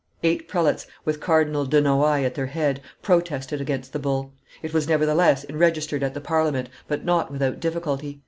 Eight prelates, with Cardinal de Noailles at their head, protested against the bull; it was, nevertheless, enregistered at the Parliament, but not without difficulty.